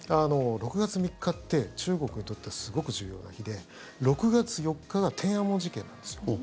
６月３日って中国にとってはすごく重要な日で６月４日が天安門事件なんですよ。